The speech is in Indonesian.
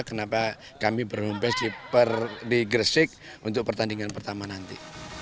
kenapa kami berhomebase di gersik untuk pertandingan pertama nanti